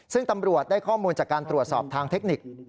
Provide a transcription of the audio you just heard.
ซึ่งตำรวจได้ข้อมูลจากการตรวจสอบทางเทคนิค